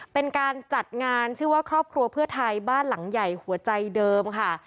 เป็นการจัดงานชื่อว่าครอบครัวเพื่อไทยบ้านหลังใหญ่หัวใจเดิมค่ะ